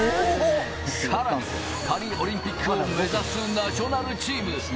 さらに、パリオリンピックを目指すナショナルチーム。